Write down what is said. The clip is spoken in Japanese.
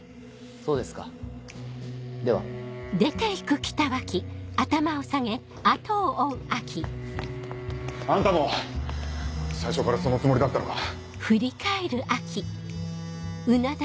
そうですかでは。あんたも最初からそのつもりだったのか。